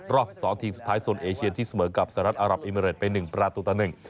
รอบ๒ทีมสุดท้ายส่วนเอเชียนที่เสมอกับสหรัฐอัรับอิมเมริดไป๑ประตูตะ๑